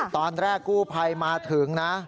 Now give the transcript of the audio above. ตอนแรกกู้ภัยมาถึงนะ